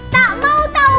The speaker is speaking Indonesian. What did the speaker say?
tak mau tahu